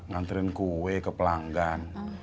nganterin kue ke pelanggan